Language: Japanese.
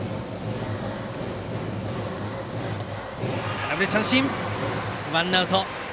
空振り三振、ワンアウト。